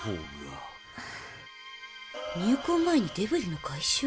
入港前にデブリの回収？